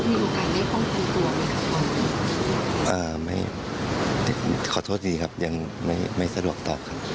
เอ่อไม่ขอโทษทีครับยังไม่สะดวกตอบครับ